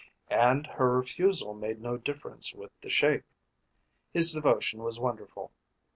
And her refusal made no difference with the Sheik. His devotion was wonderful.